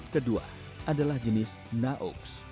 kedua adalah jenis naox